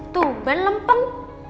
tuhan lem peng